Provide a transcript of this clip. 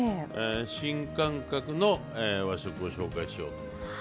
新感覚の和食を紹介しようと思います。